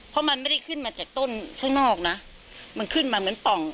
เพราะมันไม่ได้ขึ้นมาจากต้นข้างนอกนะมันขึ้นมาเหมือนป่อง